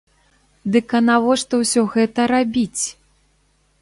Дык а навошта ўсё гэта рабіць?!